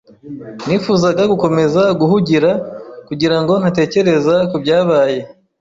Nifuzaga gukomeza guhugira, kugirango ntatekereza kubyabaye.